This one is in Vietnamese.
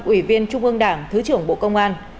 ủy viên trung ương đảng thứ trưởng bộ công an